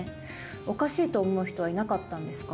おかしいと思う人はいなかったんですか？